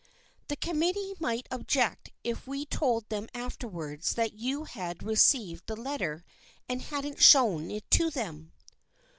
The committee might object if we told them afterwards that you had re ceived the letter and hadn't shown it to them."